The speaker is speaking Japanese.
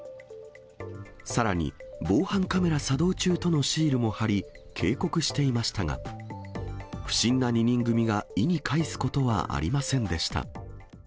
さらに、防犯カメラ作動中とのシールも貼り、警告していましたが、不審な２人組が意に介すことはありませんでした。